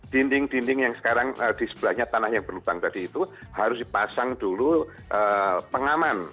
dinding dinding yang sekarang di sebelahnya tanah yang berlubang tadi itu harus dipasang dulu pengaman